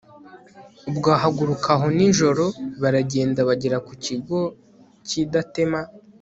ubwo ahaguruka aho nijoro, baragenda bagera ku kigo cy'i datema